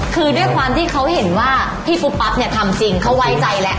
คือด้วยความที่เขาเห็นว่าพี่ปุ๊บปั๊บเนี่ยทำจริงเขาไว้ใจแล้ว